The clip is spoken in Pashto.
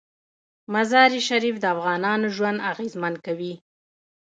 مزارشریف د افغانانو ژوند اغېزمن کوي.